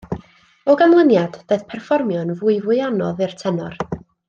O ganlyniad, daeth perfformio yn fwyfwy anodd i'r tenor.